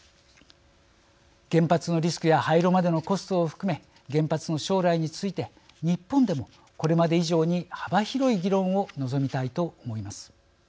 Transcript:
原発のリスクや廃炉までのコストを含め原発の将来について日本でもこれまで以上に幅広い議論を望みたいと思います。